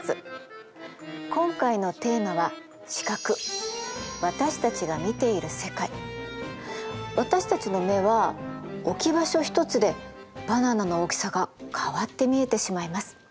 今回のテーマは私たちの目は置き場所一つでバナナの大きさが変わって見えてしまいます。